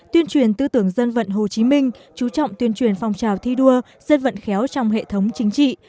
tuyên truyền tư tưởng dân vận hồ chí minh chú trọng tuyên truyền phong trào thi đua dân vận khéo trong hệ thống chính trị